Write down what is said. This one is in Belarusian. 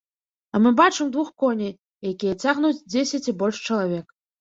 А мы бачым двух коней, якія цягнуць дзесяць і больш чалавек.